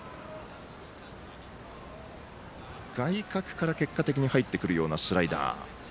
外角から結果的に入ってくるようなスライダー。